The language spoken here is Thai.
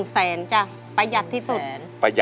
สวัสดีครับคุณหน่อย